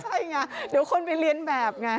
ใช่ไงเดี๋ยวคนไปเรียนแบบไง